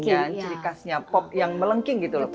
ciri khasnya pop yang melengking gitu lho